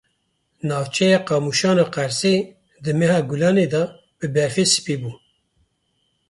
Navçeya Qamuşana Qersê di meha Gulanê de bi berfê spî bû.